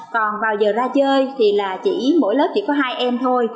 còn vào giờ ra chơi thì là chỉ mỗi lớp chỉ có hai em thôi